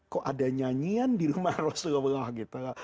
kok ada nyanyian di rumah rasulullah gitu loh